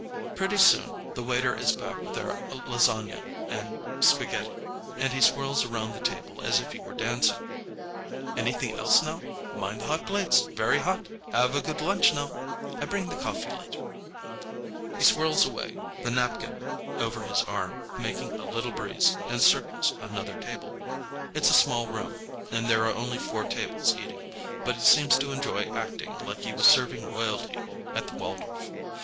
Pretty soon the waiter is back with our lasagna and spaghetti, and he swirls around the table as if he were dancing. "Anything else now? Mind the hot plates, very hot! Have a good lunch now. I bring the coffee later." He swirls away, the napkin over his arm making a little breeze, and circles another table. It's a small room, and there are only four tables eating, but he seems to enjoy acting like he was serving royalty at the Waldorf.